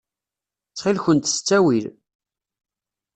Ttxil-kent s ttawil.